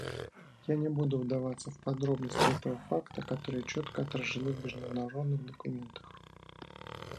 Я не буду вдаваться в подробности этого факта, которые четко отражены в международных документах.